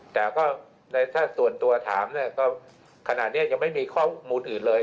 แต่ก็ในส่วนตัวถามขณะนี้ยังไม่มีข้อมูลอื่นเลย